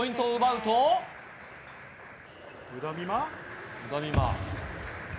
うだみま。